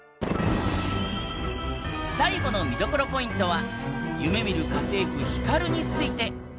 最後の見どころポイントは夢見る家政夫ヒカルについて